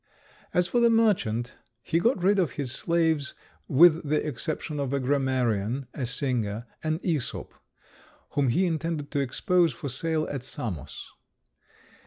As for the merchant, he got rid of his slaves, with the exception of a grammarian, a singer, and Æsop, whom he intended to expose for sale at Samos.